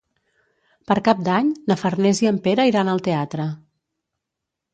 Per Cap d'Any na Farners i en Pere iran al teatre.